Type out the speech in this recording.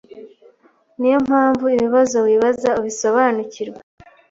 Ni yo mpamvu ibibazo wibaza ubisobanukirwa